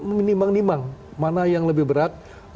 menimbang nimbang mana yang lebih berat